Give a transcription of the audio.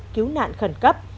cứu nạn khẩn cấp